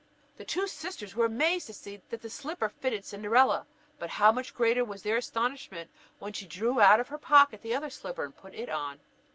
The two sisters were amazed to see that the slipper fitted Cinderella; but how much greater was their astonishment when she drew out of her pocket the other slipper and put it on!